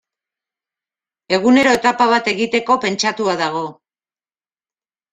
Egunero etapa bat egiteko pentsatua dago.